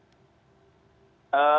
dengan menguntungkan diri